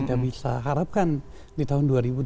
kita bisa harapkan di tahun dua ribu dua puluh